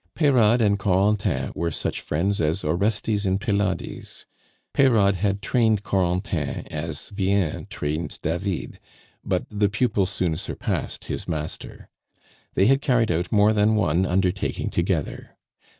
Peyrade and Corentin were such friends as Orestes and Pylades. Peyrade had trained Corentin as Vien trained David; but the pupil soon surpassed his master. They had carried out more than one undertaking together.